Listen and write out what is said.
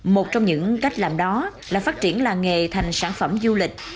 một trong những cách làm đó là phát triển làng nghề thành sản phẩm du lịch